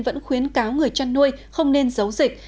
vẫn khuyến cáo người chăn nuôi không nên giấu dịch